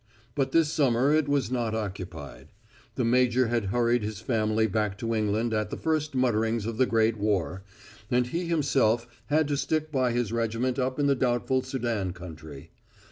But this summer it was not occupied. The major had hurried his family back to England at the first mutterings of the great war, and he himself had to stick by his regiment up in the doubtful Sudan country.